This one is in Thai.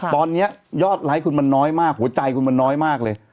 ตอนนี้ยอดไลค์คุณมันน้อยมากหัวใจคุณมันน้อยมากเลย